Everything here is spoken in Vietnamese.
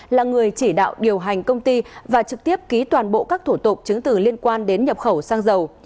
là người chỉ đạo điều hành công ty và trực tiếp ký toàn bộ các thủ tục chứng từ liên quan đến nhập khẩu xăng dầu